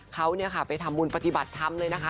เขาเนี่ยค่ะไปทำบุญปฏิบัติคำเลยนะคะ